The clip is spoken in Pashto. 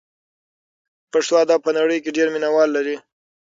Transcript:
د پښتو ادب په نړۍ کې ډېر مینه وال لري.